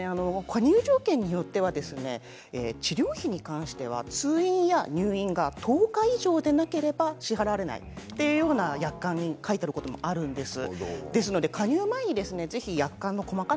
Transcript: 加入条件によっては治療費に関しては通院や入院が１０日以上でなければ、支払われないと約款に書いてあることもあります。